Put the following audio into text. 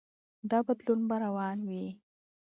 دا بدلون به روان وي.